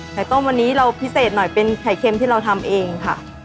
ต้มวันนี้เราพิเศษหน่อยเป็นไข่เค็มที่เราทำเองค่ะ